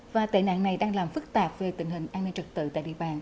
và tệ nạn này đang làm phức tạp về tình hình an ninh trật tự tại địa bàn